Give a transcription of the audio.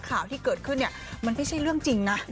ข่าวที่เกิดขึ้นเนี่ยมันไม่ใช่เรื่องจริงนะ